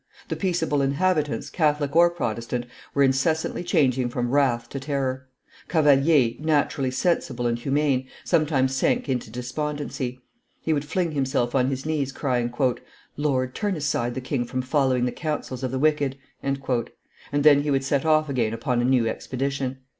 The peaceable inhabitants, Catholic or Protestant, were incessantly changing from wrath to terror. Cavalier, naturally sensible and humane, sometimes sank into despondency. He would fling himself on his knees, crying, Lord, turn aside the king from following the counsels of the wicked!" and then he would set off again upon a new expedition.